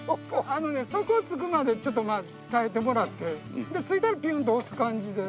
あのね底つくまでちょっとまあ耐えてもらってついたらピュンと押す感じで。